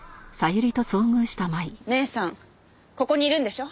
姉さんここにいるんでしょ？